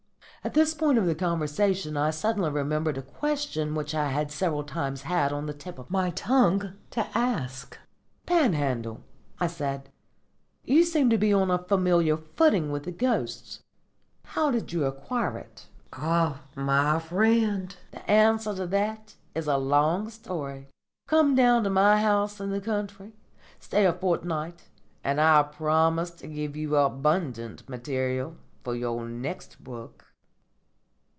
At this point of the conversation I suddenly remembered a question which I had several times had on the tip of my tongue to ask. "Panhandle," I said, "you seem to be on a familiar footing with the ghosts. How did you acquire it?" "Ah, my friend," he replied, "the answer to that is a long story. Come down to my house in the country, stay a fortnight, and I promise to give you abundant material for your next book."